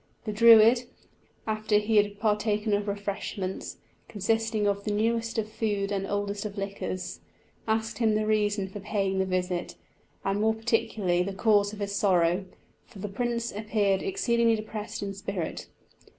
The Druid, after he had partaken of refreshments, consisting of the newest of food and oldest of liquors, asked him the reason for paying the visit, and more particularly the cause of his sorrow; for the prince appeared exceedingly depressed in spirit.